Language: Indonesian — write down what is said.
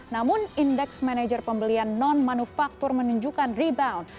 namun indeks manajer pembelian non manufaktur menunjukkan rebound